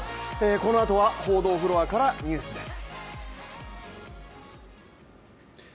このあとは報道フロアからニュースです。